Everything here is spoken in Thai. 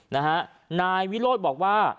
นะฮะนายวิโรธบอกว่า